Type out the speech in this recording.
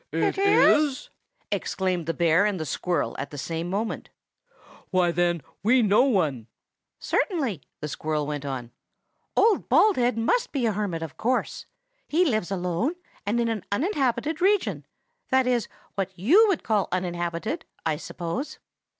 "Is it?" exclaimed the bear and the squirrel at the same moment. "Why, then, we know one." "Certainly," the squirrel went on; "Old Baldhead must be a hermit, of course. He lives alone, and in an uninhabited region; that is, what you would call uninhabited, I suppose."